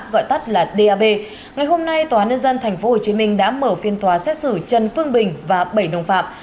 gọi tắt là dap ngày hôm nay tòa án nhân dân tp hcm đã mở phiên tòa xét xử trần phương bình và bảy đồng phạm